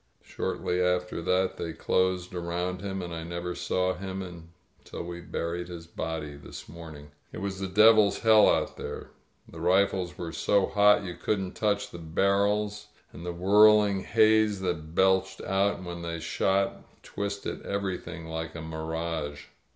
Shortly after that they closed around him, and I never saw him until we buried his body this morning. ••• It was the devil's hell out there. The rifles were so hot you couldn't touch the barrels, and the whirling haze that belched out when they shot twisted everything like a mir age.